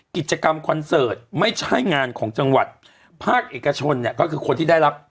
กิจกรรมคอนเสิร์ตไม่ใช่งานของจังหวัดภาคเอกชนเนี่ยก็คือคนที่ได้รับ